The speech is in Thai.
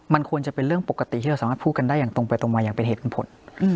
มันควรจะเป็นเรื่องปกติที่เราสามารถพูดกันได้อย่างตรงไปตรงมาอย่างเป็นเหตุเป็นผล